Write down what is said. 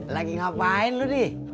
lagi ngapain lu di